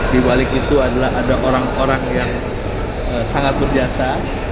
dibalik itu ada orang orang yang sangat berbiasa